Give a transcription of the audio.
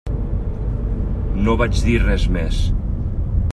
No vaig dir res més.